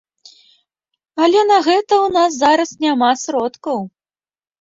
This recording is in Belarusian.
Але на гэта ў нас зараз няма сродкаў.